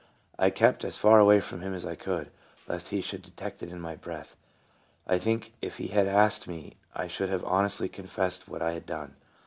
I kept as far away from him as I could, lest he should detect it in my breath. I think if he had asked me I should have honestly confessed what I had done.